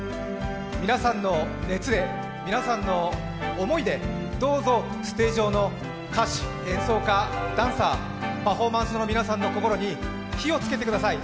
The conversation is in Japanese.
皆さんの熱で皆さんの思いで、どうぞステージ上の歌手、演奏家、ダンサー、パフォーマンサーの皆さんの心に火をつけてください。